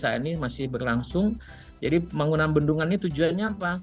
saat ini masih berlangsung jadi bangunan bendungan ini tujuannya apa